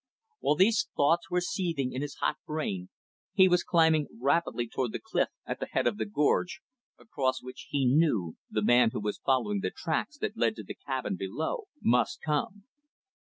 While these thoughts were seething in his hot brain, he was climbing rapidly toward the cliff at the head of the gorge, across which, he knew, the man who was following the tracks that led to the cabin below, must come.